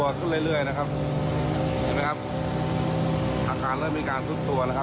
ล่าเริ่มรู้สุดและเรียนนะครับอีกครั้งกการสุดตัวนะครับ